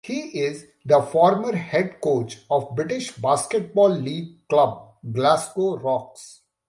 He is the former head coach of British Basketball League club Glasgow Rocks.